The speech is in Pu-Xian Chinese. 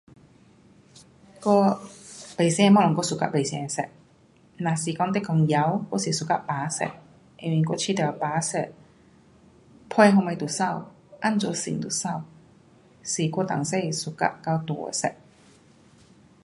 我不同的东西我 suka 不同色，若是你讲衣物我是 suka 白色。因为我觉得白色陪什么都美。怎样穿都美。是我从小 suka 到大的色。